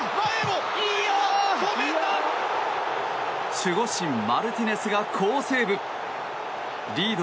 守護神、マルティネスが好セーブ。